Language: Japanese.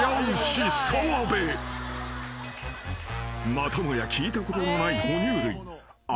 ［またもや聞いたことのない哺乳類］